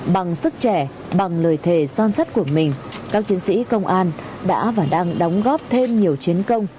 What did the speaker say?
bằng sức trẻ bằng lời thề son sắt của mình các chiến sĩ công an đã và đang đóng góp thêm nhiều chiến công